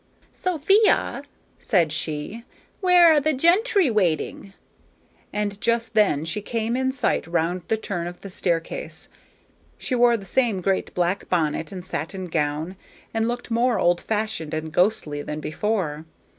"Sophia," said she, "where are the gentry waiting?" And just then she came in sight round the turn of the staircase. She wore the same great black bonnet and satin gown, and looked more old fashioned and ghostly than before.